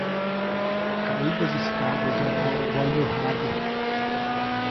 Caí das escadas e agora dói-me o rabo.